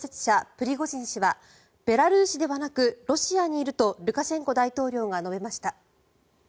プリゴジン氏はベラルーシではなくロシアにいるとルカシェンコ大統領が述べました。